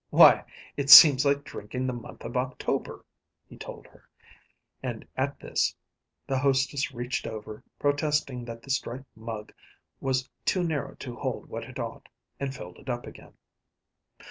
"Why, it seems like drinking the month of October," he told her; and at this the hostess reached over, protesting that the striped mug was too narrow to hold what it ought, and filled it up again.